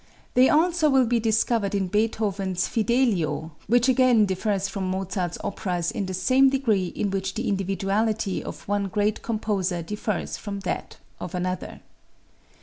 They also will be discovered in Beethoven's "Fidelio," which again differs from Mozart's operas in the same degree in which the individuality of one great composer differs from that of another.